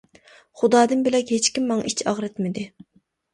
خۇدادىن بۆلەك ھېچكىم ماڭا ئىچ ئاغرىتمىدى.